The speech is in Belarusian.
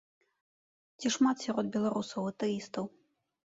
Ці шмат сярод беларусаў атэістаў?